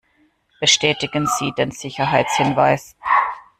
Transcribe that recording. Bestätigen Sie den Sicherheitshinweis.